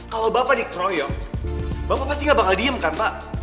kalau bapak dikeroyok bapak pasti gak bakal diem kan pak